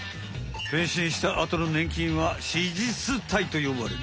変身したあとのねん菌は子実体とよばれる。